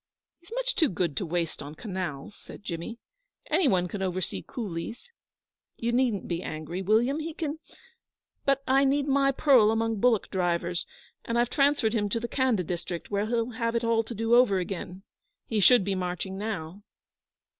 'He's much too good to waste on canals,' said Jimmy. 'Any one can oversee coolies. You needn't be angry, William: he can but I need my pearl among bullock drivers, and I've transferred him to the Khanda district, where he'll have it all to do over again. He should be marching now.'